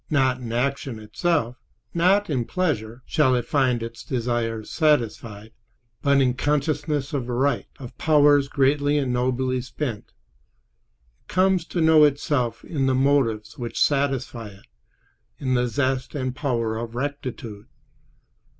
Not in action itself, not in "pleasure," shall it find its desires satisfied, but in consciousness of right, of powers greatly and nobly spent. It comes to know itself in the motives which satisfy it, in the zest and power of rectitude.